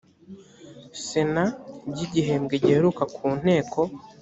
sena by’ igihembwe giheruka ku nteko